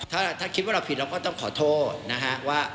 ถ้าคิดว่าเราผิดเราก็ต้องขอโทษนะฮะว่า